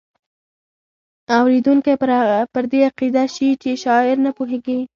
اوریدونکی پر دې عقیده شي چې شاعر نه پوهیږي.